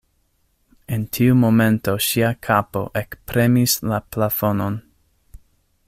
En tiu momento ŝia kapo ekpremis la plafonon.